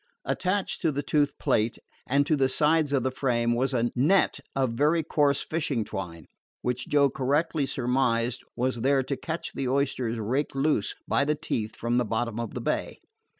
Attached to the toothed plate, and to the sides of the frame was a net of very coarse fishing twine, which Joe correctly surmised was there to catch the oysters raked loose by the teeth from the bottom of the bay.